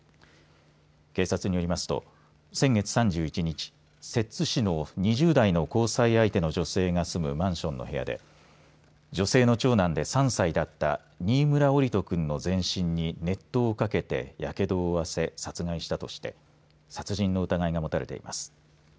警察によりますと、先月３１日摂津市の２０代の交際相手の女性が住むマンションの部屋で女性の長男で３歳だった新村桜利斗くんの全身に熱湯をかけて、やけどを負わせ殺害したとして殺人の疑いが持たれています。